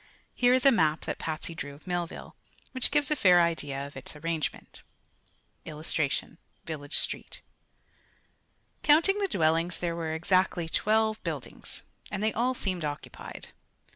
Here is a map that Patsy drew of Millville, which gives a fair idea of its arrangement: [Illustration: Village Street] Counting the dwellings there were exactly twelve buildings, and they all seemed occupied.